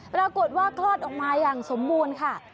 ปรากฏว่าคลอดออกมาอย่างสมบูรณ์ค่ะ